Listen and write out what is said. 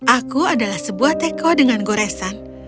aku adalah sebuah teko dengan goresan